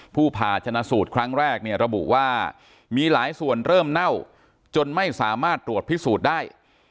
ผ่าชนะสูตรครั้งแรกเนี่ยระบุว่ามีหลายส่วนเริ่มเน่าจนไม่สามารถตรวจพิสูจน์ได้